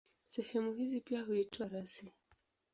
Sehemu hizi pia huitwa rasi.